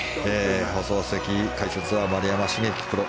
放送席、解説は丸山茂樹プロ